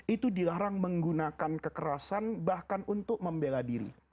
itu dilarang menggunakan kekerasan bahkan untuk membela diri